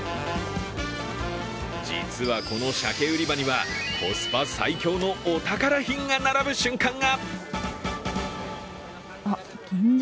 実はこの鮭売り場にはコスパ最強のお宝品が並ぶ瞬間が。